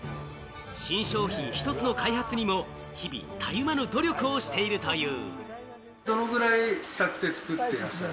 新商品１つの開発にも日々たゆまぬ努力をしているという。